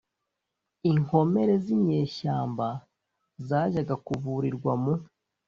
inkomere z'inyeshyamba zajyaga kuvurirwa mu